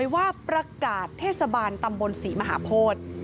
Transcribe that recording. ว่าประกาศเทศบาลตำบลศรีมหาโพธิ